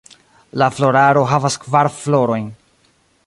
La floraro havas kvar florojn.